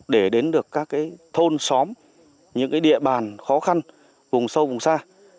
để đến được các thôn xóm những địa bàn khó khăn vùng sâu vùng xa